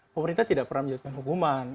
pemerintah tidak pernah menjelaskan hukuman